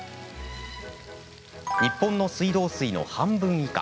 日本の水道水の半分以下。